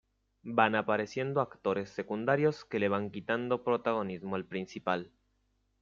Van apareciendo actores secundarios que le van quitando protagonismo al principal.